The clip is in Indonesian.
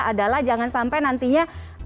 adalah jangan sampai nantinya